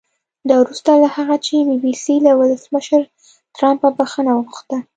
دا وروسته له هغه چې بي بي سي له ولسمشر ټرمپه بښنه وغوښته